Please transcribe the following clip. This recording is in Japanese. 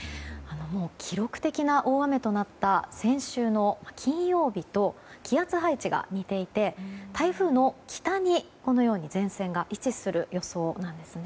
記録的な大雨となった先週の金曜日と気圧配置が似ていて台風の北に前線が位置する予想なんです。